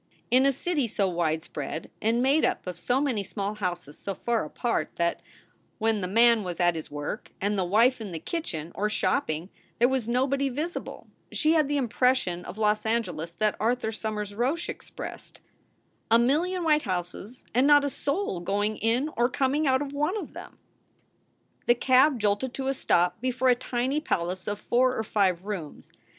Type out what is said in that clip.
In a city so widespread, and made up of so many small houses so far apart that, when the man was at his work and the wife in the kitchen or shopping, there was nobody visible, she had the impression of Los Angeles that Arthur Somers Roche expressed "a million white houses and not a soul going in or coming out of one of them!" The cab jolted to a stop before a tiny palace of four or five rooms.